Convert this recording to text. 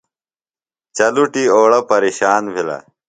چلُٹیۡ اوڑہ پریشان بِھلہ۔